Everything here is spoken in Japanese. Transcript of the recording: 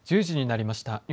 １０時になりました。